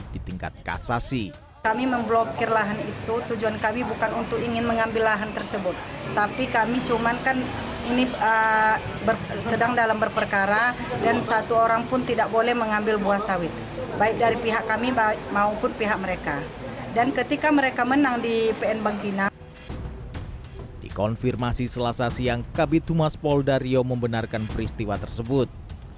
di konfirmasi selasa siang kabit humas paul dario membenarkan peristiwa tersebut